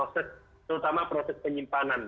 terutama proses penyimpanan